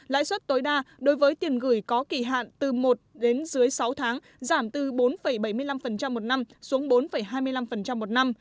lãi suất tối đa đối với tiền gửi có kỳ hạn từ một đến dưới sáu tháng giảm từ bốn bảy mươi năm một năm xuống bốn hai mươi năm một năm